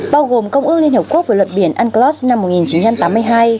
bao gồm công ước liên hợp quốc về luật biển unclos năm một nghìn chín trăm tám mươi hai